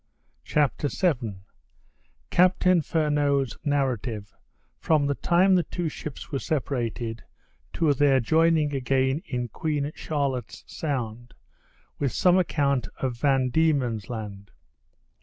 CHAPTER VII. _Captain Furneaux's Narrative, from the Time the two Ships were separated, to their joining again in Queen Charlotte's Sound, with some Account of Van Diemen's Land.